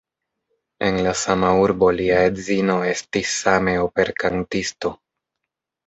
En la sama urbo lia edzino estis same operkantisto.